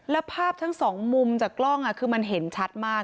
แล้วภาพทั้งสองมุมจากกล้องคือมันเห็นชัดมาก